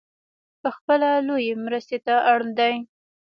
پخپله لویې مرستې ته اړ دی .